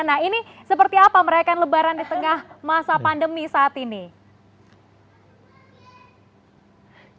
nah ini seperti apa merayakan lebaran di tengah masa pandemi saat ini